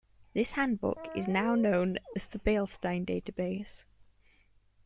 This handbook is now known as the Beilstein database.